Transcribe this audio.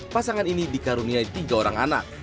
pasangan ini dikaruniai tiga orang anak